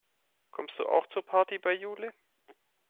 Kommst du auch zur Party bei Jule?